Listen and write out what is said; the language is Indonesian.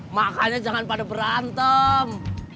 makanya jangan pada berantem